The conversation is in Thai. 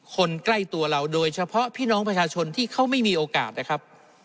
คนใกล้ตัวเราโดยเฉพาะพี่น้องประชาชนที่เขาไม่มีโอกาสนะครับ